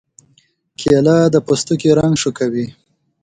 کېله د پوستکي رنګ ښه کوي.